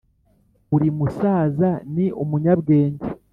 uri musaza ni umunyabwenge